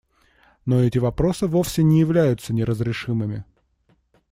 Но эти вопросы вовсе не являются неразрешимыми.